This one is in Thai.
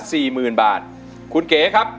หมื่นบาทคุณเก๋ครับ